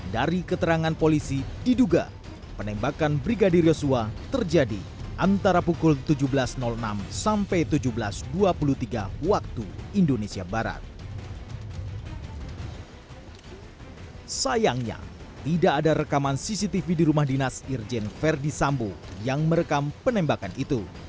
dari keterangan polisi diduga penembakan brigadir yosua terjadi antara pukul tujuh belas enam sampai tujuh belas dua puluh tiga